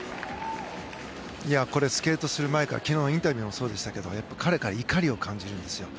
これ、スケートする前から昨日インタビューもそうでしたが彼から怒りを感じるんですよ。